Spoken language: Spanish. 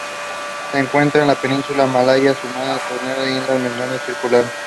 Se encuentra en la península malaya, Sumatra, Borneo e islas menores circundantes.